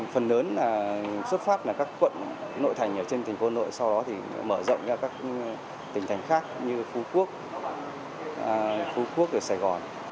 phần lớn là xuất phát là các quận nội thành ở trên thành phố nội sau đó thì mở rộng ra các tỉnh thành khác như phú quốc phú quốc ở sài gòn